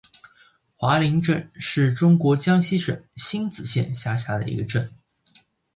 华林镇是中国江西省星子县下辖的一个镇。